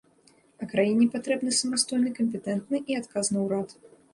А краіне патрэбны самастойны кампетэнтны і адказны ўрад.